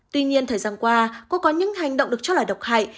tuy nhiên thời gian qua cô có những hành động được cho là độc hại